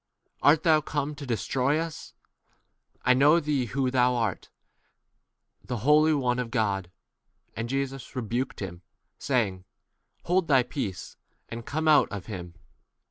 J Art thou come to destroy us P I know thee who thou art, the holy one of God. 25 And Jesus rebuked him, saying, Hold thy peace and come out of 28 him.